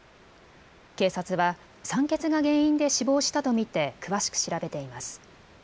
警察は酸欠が原因で死亡したと見て詳しく調べています。